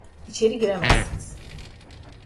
İçeri giremezsiniz!